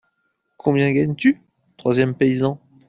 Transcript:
Combien gagnes-tu ? troisième paysan.